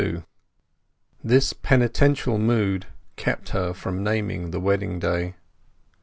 XXXII This penitential mood kept her from naming the wedding day.